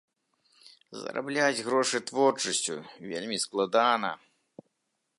Зарабляць грошы творчасцю вельмі складана.